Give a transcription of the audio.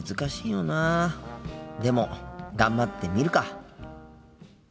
でも頑張ってみるか。